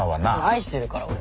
愛してるから俺。